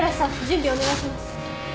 準備お願いします。